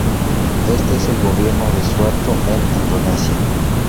Este es el gobierno de Suharto en Indonesia.